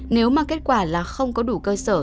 nếu mà kết quả là không có đủ cơ sở